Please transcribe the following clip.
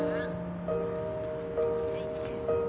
はい。